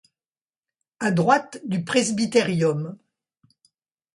À droite du presbyterium.